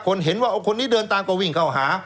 เห็นว่าคนนี้เดินตามก็วิ่งเข้าหา